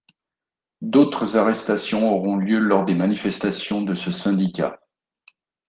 D'autres arrestations auront lieu lors des manifestations de ce syndicat.